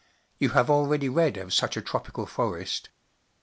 You have already read of such a tropical forest.